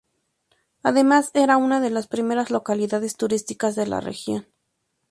Además, era una de las primeras localidades turísticas de la región.